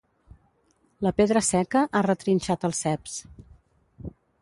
La pedra seca ha retrinxat els ceps.